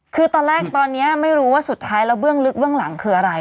คือตอนแรกตอนนี้ไม่รู้ว่าสุดท้ายแล้วเบื้องลึกเบื้องหลังคืออะไร